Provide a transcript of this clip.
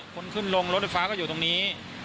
คนขึ้นลงรถไฟฟ้าก็อยู่ตรงนี้